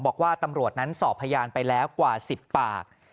บอกว่าตำรวจนั้นสอบพยานไปแล้วกว่า๑๐ปาก